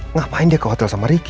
ngapain dia ke hotel sama ricky